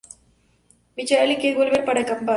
Michael y Kate vuelven para acampar.